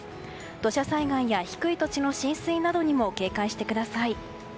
土砂災害や低い土地の浸水などにも警戒してください。